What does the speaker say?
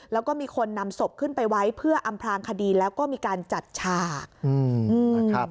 แล้วก็มีคนนำศพขึ้นไปไว้เพื่ออำพลางคดีแล้วก็มีการจัดฉากนะครับ